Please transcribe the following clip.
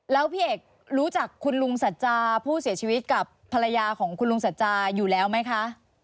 แล้วพี่เอกรู้จักคุณลุงสัจจาผู้เสียชีวิตกับภรรยาของคุณลุงสัจจาอยู่แล้วไหมคะ